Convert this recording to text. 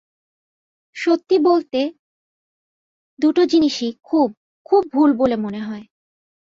সত্যি বলতে, দুটো জিনিসই খুব, খুব ভুল বলে মনে হয়।